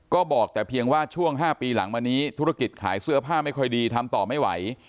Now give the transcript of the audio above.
ก็บอกแต่เพียงว่าช่วง๕ปีหลังมานี้ธุรกิจขายเสื้อผ้าไม่ค่อยดีทำต่อไม่ไหว